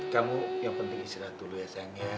kamu yang penting istirahat dulu ya sayang ya